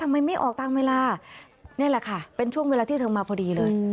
ไม่ออกตามเวลานี่แหละค่ะเป็นช่วงเวลาที่เธอมาพอดีเลย